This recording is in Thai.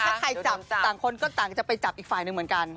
ถ้าใครจับต่างคนก็ต่างจะไปจับอีกฝ่ายหนึ่งเหมือนกัน